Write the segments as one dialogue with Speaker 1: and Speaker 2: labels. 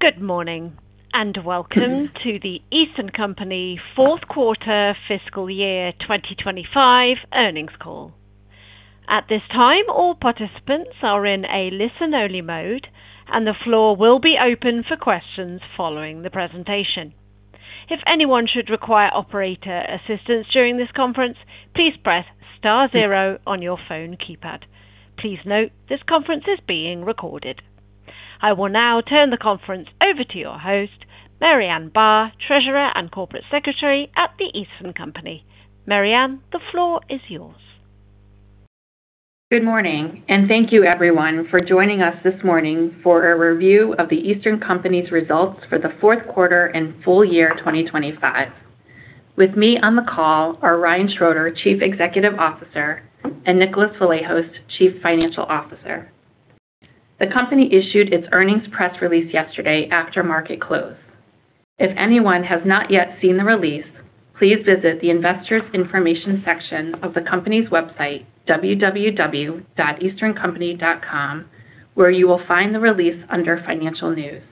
Speaker 1: Good morning and welcome to The Eastern Company fourth quarter fiscal year 2025 earnings call. At this time, all participants are in a listen-only mode, and the floor will be open for questions following the presentation. If anyone should require operator assistance during this conference, please press star zero on your phone keypad. Please note this conference is being recorded. I will now turn the conference over to your host, Marianne Barr, Treasurer and Corporate Secretary at The Eastern Company. Marianne, the floor is yours.
Speaker 2: Good morning, thank you everyone for joining us this morning for a review of The Eastern Company's results for the fourth quarter and full year 2025. With me on the call are Ryan Schroeder, Chief Executive Officer, and Nicholas Vlahos, Chief Financial Officer. The company issued its earnings press release yesterday after market close. If anyone has not yet seen the release, please visit the investor information section of the company's website, www.easterncompany.com, where you will find the release under financial news.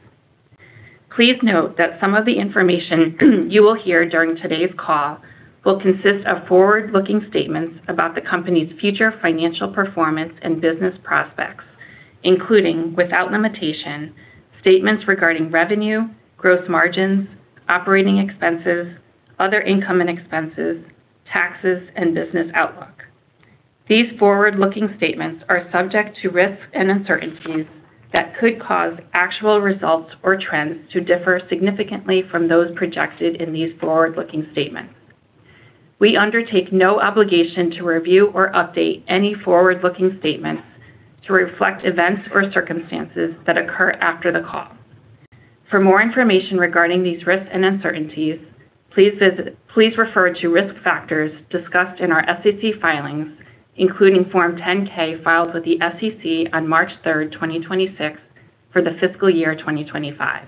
Speaker 2: Please note that some of the information you will hear during today's call will consist of forward-looking statements about the company's future financial performance and business prospects, including, without limitation, statements regarding revenue, gross margins, operating expenses, other income and expenses, taxes, and business outlook. These forward-looking statements are subject to risks and uncertainties that could cause actual results or trends to differ significantly from those projected in these forward-looking statements. We undertake no obligation to review or update any forward-looking statements to reflect events or circumstances that occur after the call. For more information regarding these risks and uncertainties, please refer to risk factors discussed in our SEC filings, including Form 10-K filed with the SEC on March 3rd, 2026 for the fiscal year 2025.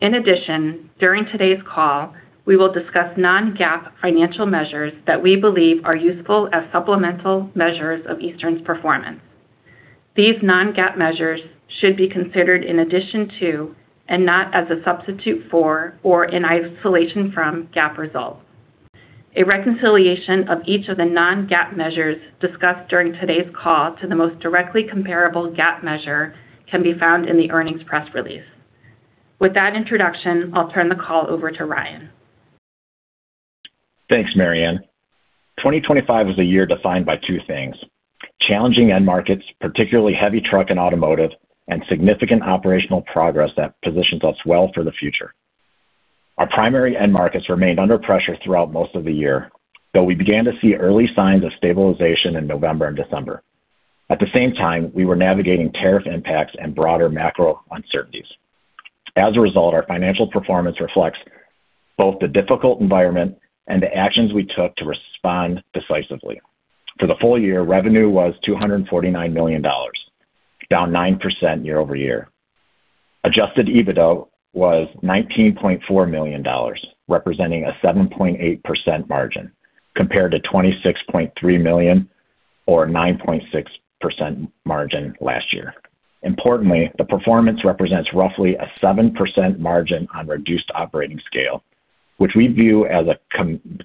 Speaker 2: During today's call, we will discuss non-GAAP financial measures that we believe are useful as supplemental measures of Eastern's performance. These non-GAAP measures should be considered in addition to and not as a substitute for or in isolation from GAAP results. A reconciliation of each of the non-GAAP measures discussed during today's call to the most directly comparable GAAP measure can be found in the earnings press release. With that introduction, I'll turn the call over to Ryan.
Speaker 3: Thanks, Marianne. 2025 was a year defined by two things: challenging end markets, particularly heavy truck and automotive, and significant operational progress that positions us well for the future. Our primary end markets remained under pressure throughout most of the year, though we began to see early signs of stabilization in November and December. At the same time, we were navigating tariff impacts and broader macro uncertainties. As a result, our financial performance reflects both the difficult environment and the actions we took to respond decisively. For the full year, revenue was $249 million, down 9% year-over-year. Adjusted EBITDA was $19.4 million, representing a 7.8% margin compared to $26.3 million or 9.6% margin last year. Importantly, the performance represents roughly a 7% margin on reduced operating scale, which we view as a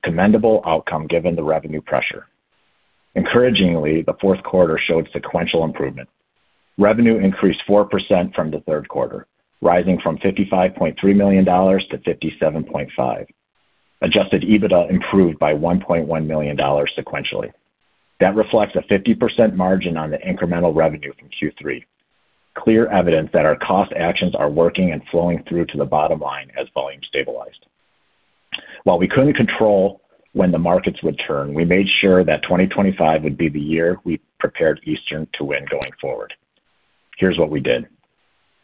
Speaker 3: commendable outcome given the revenue pressure. Encouragingly, the fourth quarter showed sequential improvement. Revenue increased 4% from the third quarter, rising from $55.3 million to $57.5 million. Adjusted EBITDA improved by $1.1 million sequentially. That reflects a 50% margin on the incremental revenue from Q3. Clear evidence that our cost actions are working and flowing through to the bottom line as volume stabilized. While we couldn't control when the markets would turn, we made sure that 2025 would be the year we prepared Eastern to win going forward. Here's what we did.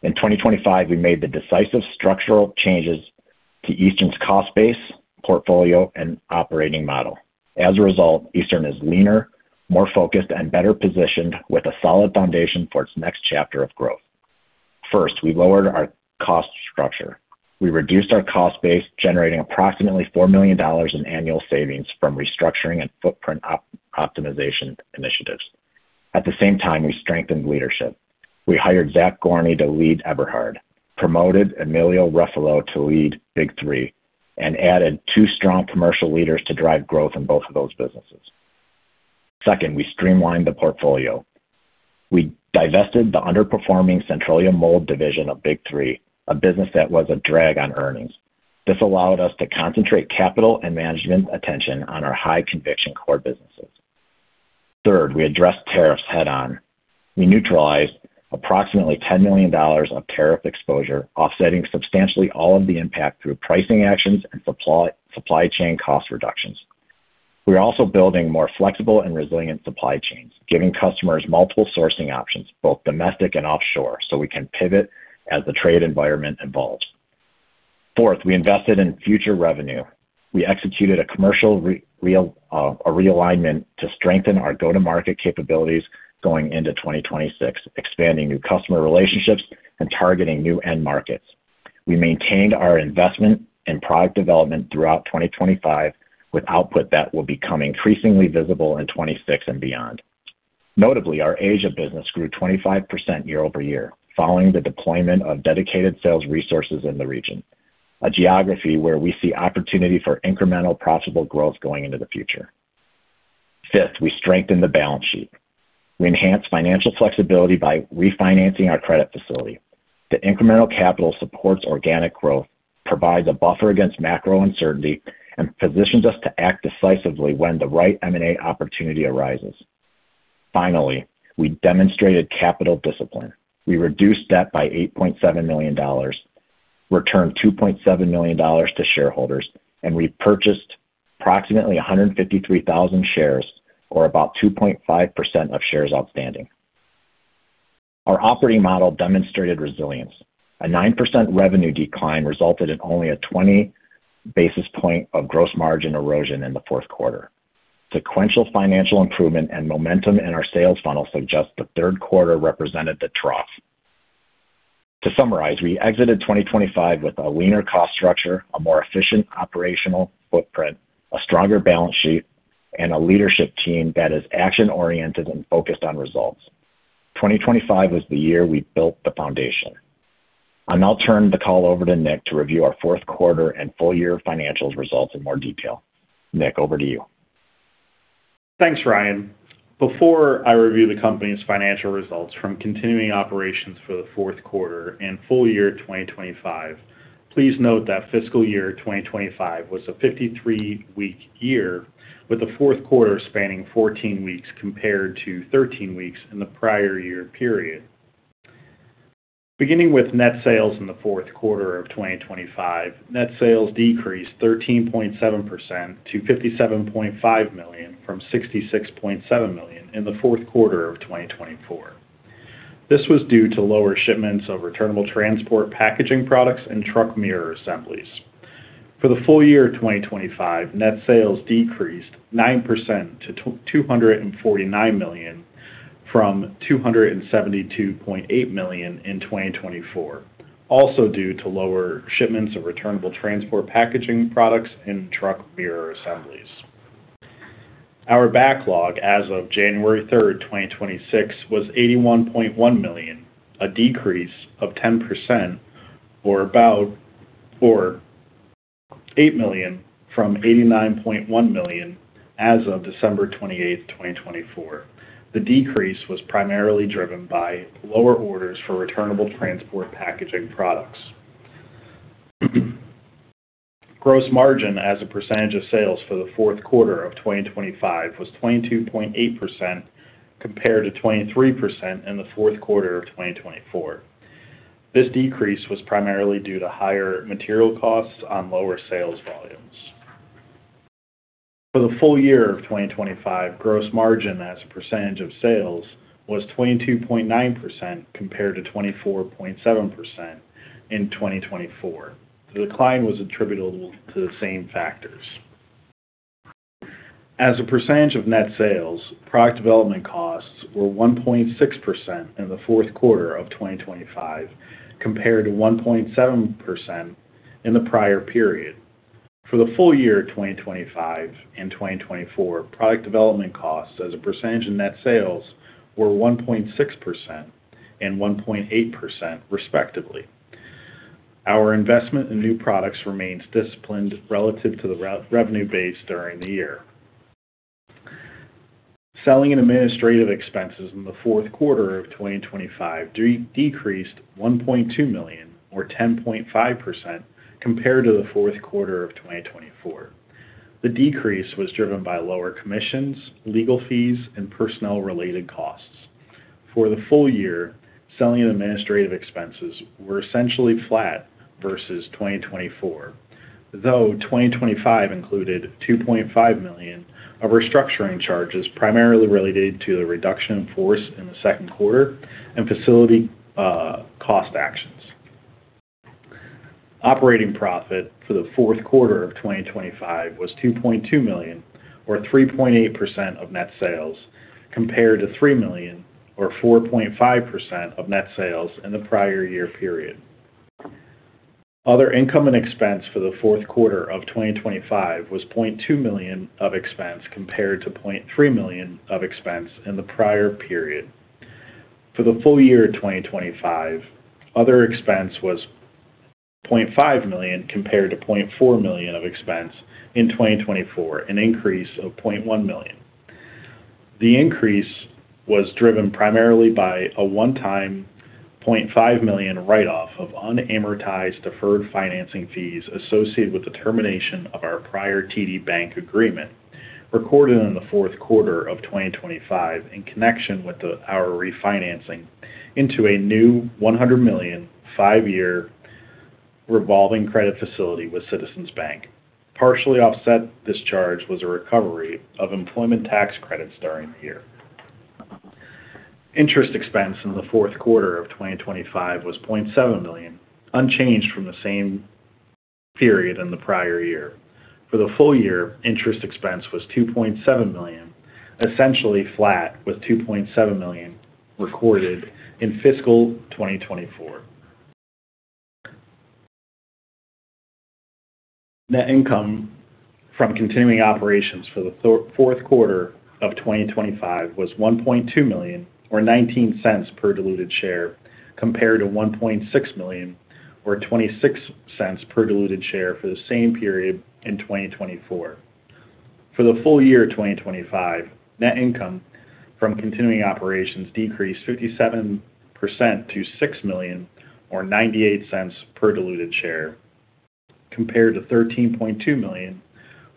Speaker 3: In 2025, we made the decisive structural changes to Eastern's cost base, portfolio, and operating model. As a result, Eastern is leaner, more focused, and better positioned with a solid foundation for its next chapter of growth. First, we lowered our cost structure. We reduced our cost base, generating approximately $4 million in annual savings from restructuring and footprint optimization initiatives. At the same time, we strengthened leadership. We hired Zach Gorny to lead Eberhard, promoted Emilio Ruffolo to lead Big 3, and added two strong commercial leaders to drive growth in both of those businesses. Second, we streamlined the portfolio. We divested the underperforming Centralia Mold division of Big 3, a business that was a drag on earnings. This allowed us to concentrate capital and management attention on our high conviction core businesses. Third, we addressed tariffs head on. We neutralized approximately $10 million of tariff exposure, offsetting substantially all of the impact through pricing actions and supply chain cost reductions. We're also building more flexible and resilient supply chains, giving customers multiple sourcing options, both domestic and offshore. We can pivot as the trade environment evolves. Fourth, we invested in future revenue. We executed a commercial realignment to strengthen our go-to-market capabilities going into 2026, expanding new customer relationships and targeting new end markets. We maintained our investment in product development throughout 2025, with output that will become increasingly visible in 2026 and beyond. Notably, our Asia business grew 25% year-over-year following the deployment of dedicated sales resources in the region, a geography where we see opportunity for incremental profitable growth going into the future. Fifth, we strengthened the balance sheet. We enhanced financial flexibility by refinancing our credit facility. The incremental capital supports organic growth, provides a buffer against macro uncertainty, and positions us to act decisively when the right M&A opportunity arises. Finally, we demonstrated capital discipline. We reduced debt by $8.7 million, returned $2.7 million to shareholders, and repurchased approximately 153,000 shares, or about 2.5% of shares outstanding. Our operating model demonstrated resilience. A 9% revenue decline resulted in only a 20 basis point of gross margin erosion in the fourth quarter. Sequential financial improvement and momentum in our sales funnel suggest the third quarter represented the trough. To summarize, we exited 2025 with a leaner cost structure, a more efficient operational footprint, a stronger balance sheet, and a leadership team that is action-oriented and focused on results. 2025 was the year we built the foundation. I'll now turn the call over to Nick to review our fourth quarter and full year financials results in more detail. Nick, over to you.
Speaker 4: Thanks, Ryan. Before I review the company's financial results from continuing operations for the fourth quarter and full year 2025, please note that fiscal year 2025 was a 53-week year, with the fourth quarter spanning 14 weeks compared to 13 weeks in the prior year period. Beginning with net sales in the fourth quarter of 2025, net sales decreased 13.7% to $57.5 million from $66.7 million in the fourth quarter of 2024. This was due to lower shipments of returnable transport packaging products and truck mirror assemblies. For the full year of 2025, net sales decreased 9% to $249 million from $272.8 million in 2024, also due to lower shipments of returnable transport packaging products and truck mirror assemblies. Our backlog as of January 3rd, 2026, was $81.1 million, a decrease of 10% or $8 million from $89.1 million as of December 28, 2024. The decrease was primarily driven by lower orders for returnable transport packaging products. Gross margin as a percentage of sales for the fourth quarter of 2025 was 22.8% compared to 23% in the fourth quarter of 2024. This decrease was primarily due to higher material costs on lower sales volumes. For the full year of 2025, gross margin as a percentage of sales was 22.9% compared to 24.7% in 2024. The decline was attributable to the same factors. As a percentage of net sales, product development costs were 1.6% in the fourth quarter of 2025 compared to 1.7% in the prior period. For the full year 2025 and 2024, product development costs as a percentage of net sales were 1.6% and 1.8%, respectively. Our investment in new products remains disciplined relative to the revenue base during the year. Selling and administrative expenses in the fourth quarter of 2025 decreased $1.2 million or 10.5% compared to the fourth quarter of 2024. The decrease was driven by lower commissions, legal fees, and personnel related costs. For the full year, selling and administrative expenses were essentially flat versus 2024, though 2025 included $2.5 million of restructuring charges primarily related to the reduction in force in the second quarter and facility cost actions. Operating profit for the fourth quarter of 2025 was $2.2 million or 3.8% of net sales, compared to $3 million or 4.5% of net sales in the prior year period. Other income and expense for the fourth quarter of 2025 was $0.2 million of expense compared to $0.3 million of expense in the prior period. For the full year of 2025, other expense was $0.5 million compared to $0.4 million of expense in 2024, an increase of $0.1 million. The increase was driven primarily by a one-time $0.5 million write-off of unamortized deferred financing fees associated with the termination of our prior TD Bank agreement, recorded in the fourth quarter of 2025 in connection with our refinancing into a new $100 million, 5-year revolving credit facility with Citizens Bank. Partially offset this charge was a recovery of employment tax credits during the year. Interest expense in the fourth quarter of 2025 was $0.7 million, unchanged from the same period in the prior year. For the full year, interest expense was $2.7 million, essentially flat with $2.7 million recorded in fiscal 2024. Net income from continuing operations for the fourth quarter of 2025 was $1.2 million or $0.19 per diluted share, compared to $1.6 million or $0.26 per diluted share for the same period in 2024. For the full year 2025, net income from continuing operations decreased 57% to $6 million or $0.98 per diluted share, compared to $13.2 million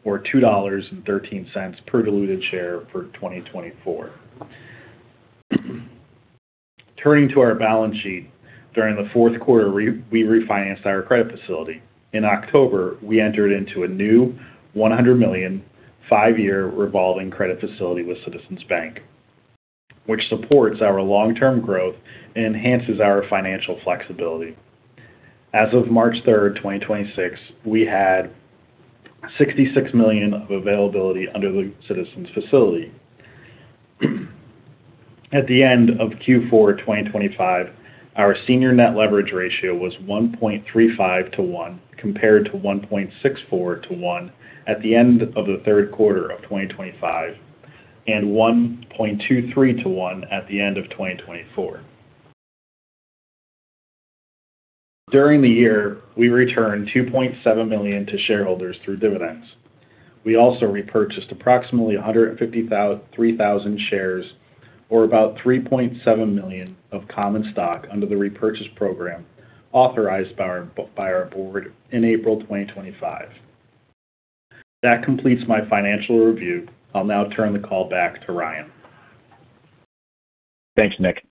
Speaker 4: or $2.13 per diluted share for 2024. Turning to our balance sheet, during the fourth quarter, we refinanced our credit facility. In October, we entered into a new $100 million 5-year revolving credit facility with Citizens Bank, which supports our long-term growth and enhances our financial flexibility. As of March 3rd, 2026, we had $66 million of availability under the Citizens facility. At the end of Q4 2025, our senior net leverage ratio was 1.35 to 1, compared to 1.64 to 1 at the end of the third quarter of 2025, and 1.23 to 1 at the end of 2024. During the year, we returned $2.7 million to shareholders through dividends. We also repurchased approximately 153,000 shares or about $3.7 million of common stock under the repurchase program authorized by our board in April 2025. That completes my financial review. I'll now turn the call back to Ryan.
Speaker 3: Thanks, Nick.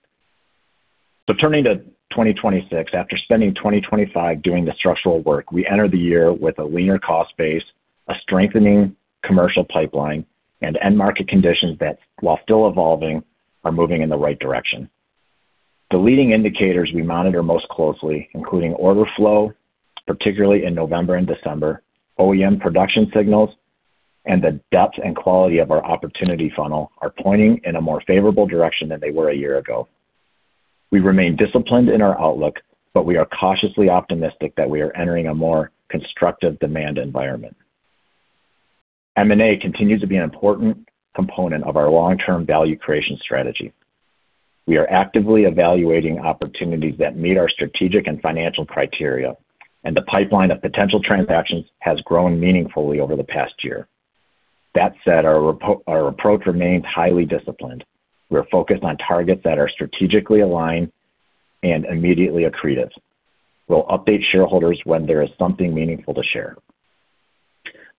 Speaker 3: Turning to 2026, after spending 2025 doing the structural work, we enter the year with a leaner cost base, a strengthening commercial pipeline, and end market conditions that, while still evolving, are moving in the right direction. The leading indicators we monitor most closely, including order flow, particularly in November and December, OEM production signals, and the depth and quality of our opportunity funnel are pointing in a more favorable direction than they were a year ago. We remain disciplined in our outlook, we are cautiously optimistic that we are entering a more constructive demand environment. M&A continues to be an important component of our long-term value creation strategy. We are actively evaluating opportunities that meet our strategic and financial criteria, the pipeline of potential transactions has grown meaningfully over the past year. That said, our approach remains highly disciplined. We're focused on targets that are strategically aligned and immediately accretive. We'll update shareholders when there is something meaningful to share.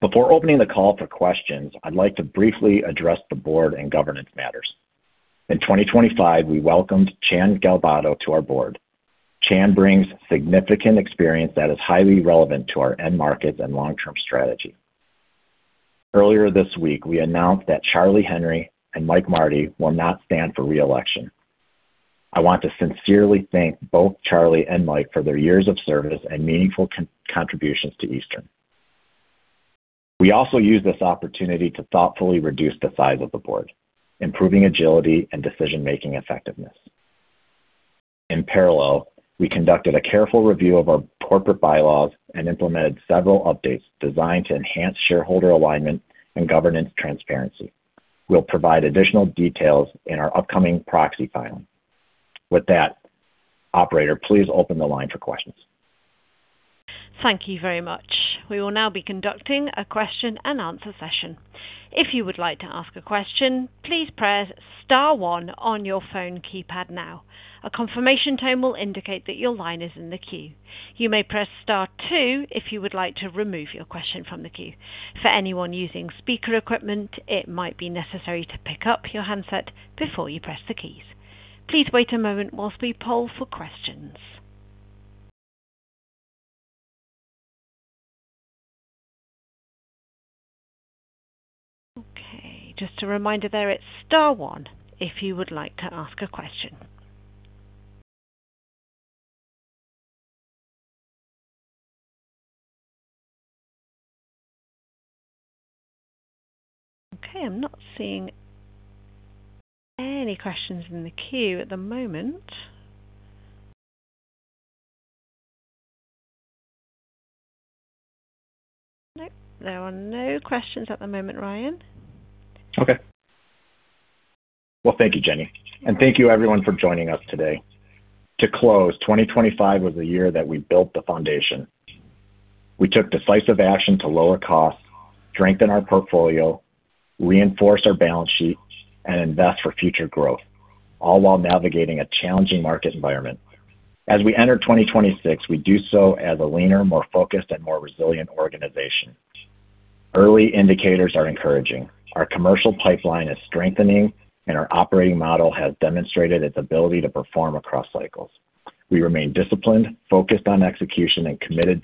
Speaker 3: Before opening the call for questions, I'd like to briefly address the board and governance matters. In 2025, we welcomed Chan Galbato to our board. Chan brings significant experience that is highly relevant to our end markets and long-term strategy. Earlier this week, we announced that Charlie Henry and Mike Marty will not stand for re-election. I want to sincerely thank both Charlie and Mike for their years of service and meaningful contributions to Eastern. We also use this opportunity to thoughtfully reduce the size of the board, improving agility and decision-making effectiveness. In parallel, we conducted a careful review of our corporate bylaws and implemented several updates designed to enhance shareholder alignment and governance transparency. We'll provide additional details in our upcoming proxy filing. With that, operator, please open the line for questions.
Speaker 1: Thank you very much. We will now be conducting a question-and-answer session. If you would like to ask a question, please press star one on your phone keypad now. A confirmation tone will indicate that your line is in the queue. You may press star two if you would like to remove your question from the queue. For anyone using speaker equipment, it might be necessary to pick up your handset before you press the keys. Please wait a moment whilst we poll for questions. Okay. Just a reminder there, it's star one if you would like to ask a question. Okay. I'm not seeing any questions in the queue at the moment. Nope, there are no questions at the moment, Ryan.
Speaker 3: Well, thank you, Jenny, and thank you everyone for joining us today. To close, 2025 was the year that we built the foundation. We took decisive action to lower costs, strengthen our portfolio, reinforce our balance sheet, and invest for future growth, all while navigating a challenging market environment. As we enter 2026, we do so as a leaner, more focused, and more resilient organization. Early indicators are encouraging. Our commercial pipeline is strengthening, and our operating model has demonstrated its ability to perform across cycles. We remain disciplined, focused on execution, and committed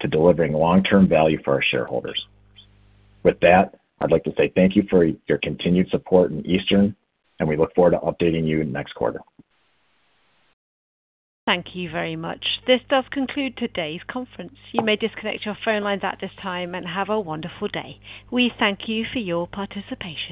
Speaker 3: to delivering long-term value for our shareholders. With that, I'd like to say thank you for your continued support in Eastern, and we look forward to updating you next quarter.
Speaker 1: Thank you very much. This does conclude today's conference. You may disconnect your phone lines at this time and have a wonderful day. We thank you for your participation.